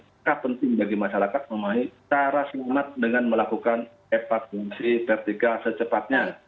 apakah penting bagi masyarakat memahami cara selamat dengan melakukan evakuasi vertikal secepatnya